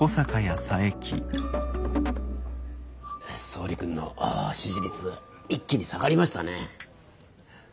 総理君の支持率一気に下がりましたね。